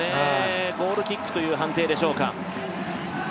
ゴールキックという判定でしょうか。